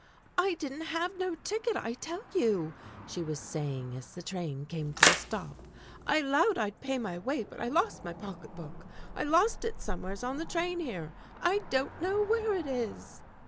"I didn't have no ticket, I tell you!" she was saying as the train came to a stop. "I 'lowed I'd pay my way, but I lost my pocket book. I lost it somewheres on the train here, I don't know where it is!"